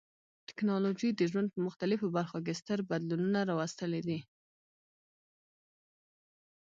ټکنالوژي د ژوند په مختلفو برخو کې ستر بدلونونه راوستلي دي.